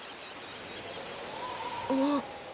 あっ。